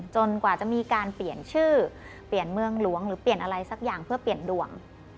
กว่าจะมีการเปลี่ยนชื่อเปลี่ยนเมืองหลวงหรือเปลี่ยนอะไรสักอย่างเพื่อเปลี่ยนดวง